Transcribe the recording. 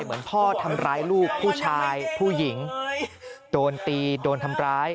เหมือนพ่อทำร้ายลูกผู้ชายผู้หญิงโดนตีโดนทำร้าย